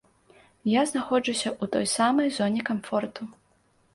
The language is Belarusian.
Я знаходжуся ў той самай зоне камфорту.